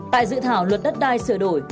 tại dự thảo luật đất đai sửa đổi